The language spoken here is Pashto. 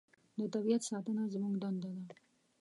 د طبیعت ساتنه زموږ دنده ده.